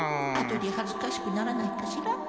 あとではずかしくならないかしら？